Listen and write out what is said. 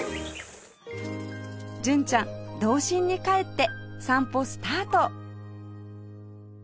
純ちゃん童心に帰って散歩スタート